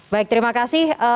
baik terima kasih